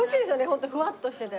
ホントふわっとしてて。